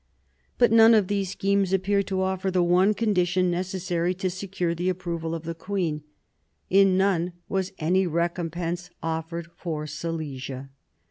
But none of these schemes appeared to offer the one condition necessary to secure the approval of the queen ; in none was any recompense offered for Silesia.